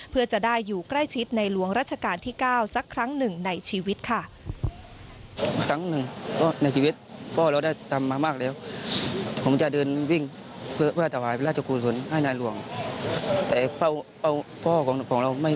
เพื่อจะได้อยู่ใกล้ชิดในหลวงรัชกาลที่๙สักครั้งหนึ่งในชีวิตค่ะ